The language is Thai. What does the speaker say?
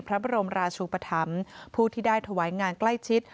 พระบรมราชูปธรรมผู้ที่ได้ถวายงานใกล้ชิด